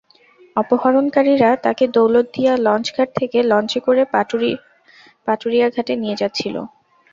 অপহরণকারীরা তাকে দৌলতদিয়া লঞ্চঘাট থেকে লঞ্চে করে পাটুরিয়া ঘাটে নিয়ে যাচ্ছিল।